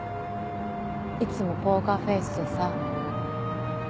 いつもポーカーフェースでさ。